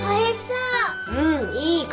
うんいい感じ。